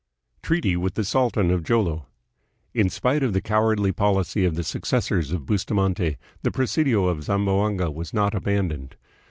Treaty with the Sultan of Jolo. In spite of the cow ardly policy of the successors of Bustamante, the presidio of Zamboanga was not abandoned.